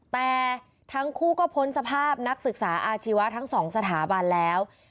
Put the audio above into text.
แต่ทั้งคู่ก็พ้นสภาพนักศึกษาอาชีวะทั้งสองสถาบันแล้ว